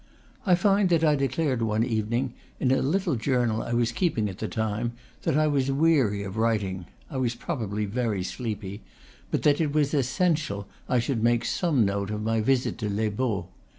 I find that I declared one evening, in a little journal I was keeping at that time, that I was weary of writing (I was probably very sleepy), but that it was essential I should make some note of my visit to Les Baux.